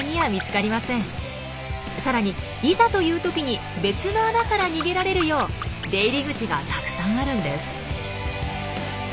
さらにいざという時に別の穴から逃げられるよう出入り口がたくさんあるんです。